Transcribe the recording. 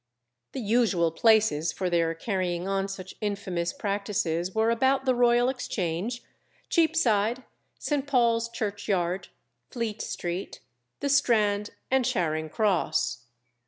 The usual places for their carrying on such infamous practices were about the Royal Exchange, Cheapside, St. Paul's Churchyard, Fleet Street, the Strand and Charing Cross.